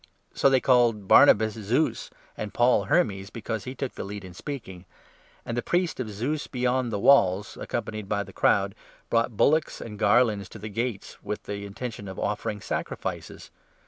So they called Barnabas 'Zeus,' and Paul ' Hermes,' because 12 he took the lead in speaking ; and the priest of Zeus 13 beyond the Walls, accompanied by the crowd, brought bul locks and garlands to the gates, with the intention of offering sacrifices.